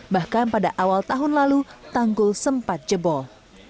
bahkan pada awal tahun lalu tanggul sempat jebol